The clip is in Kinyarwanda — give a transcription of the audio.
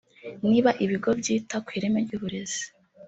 niba ibigo byita ku ireme ry’uburezi